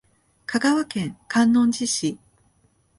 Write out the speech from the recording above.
香川県観音寺市